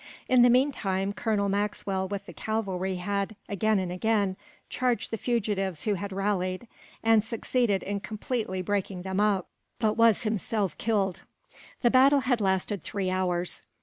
In the meantime, Colonel Maxwell with the cavalry had, again and again, charged the fugitives who had rallied; and succeeded in completely breaking them up, but was himself killed. The battle had lasted three hours.